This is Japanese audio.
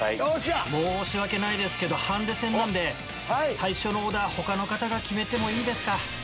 申し訳ないですけどハンデ戦なんで最初のオーダー他の方が決めてもいいですか？